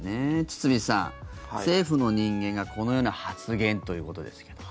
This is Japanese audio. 堤さん、政府の人間がこのような発言ということですけど。